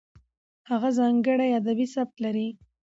هغه ځانګړی ادبي سبک لري.